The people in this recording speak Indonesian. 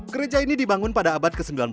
gereja ini dibangun pada abad ke sembilan belas